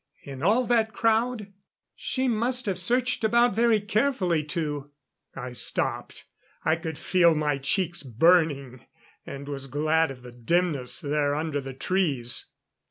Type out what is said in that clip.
In all that crowd. She must have searched about very carefully to " I stopped; I could feel my cheeks burning, and was glad of the dimness there under the trees.